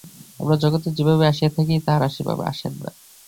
আমরা জগতে যেভাবে আসিয়া থাকি, তাঁহারা সেভাবে আসেন না।